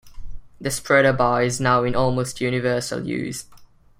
The spreader bar is now in almost universal use.